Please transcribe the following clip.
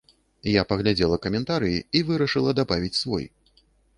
Я паглядзела каментарыі і вырашыла дабавіць свой.